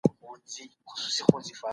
بې ځایه ویره انسان فلج کوي.